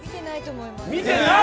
見てない？